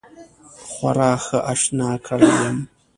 خورا ښه آشنا کړی یم.